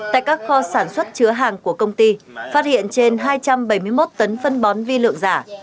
tại các kho sản xuất chứa hàng của công ty phát hiện trên hai trăm bảy mươi một tấn phân bón vi lượng giả